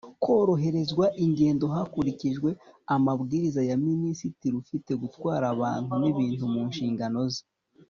koroherezwa ingendo hakurikijwe amabwiriza ya minisitiri ufite gutwara abantu n'ibintu mu nshingano ze